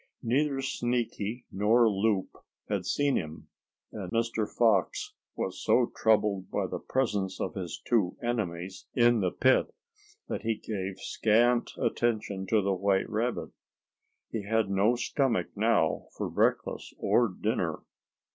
Neither Sneaky nor Loup had seen him, and Mr. Fox was so troubled by the presence of his two enemies in the pit that he gave scant attention to the white rabbit. He had no stomach now for breakfast or dinner.